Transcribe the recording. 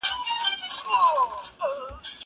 زه اوس ليکنه کوم!